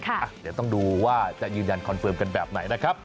เดี๋ยวต้องดูว่าจะยืนยันคอนเฟิร์มกันแบบไหนนะครับ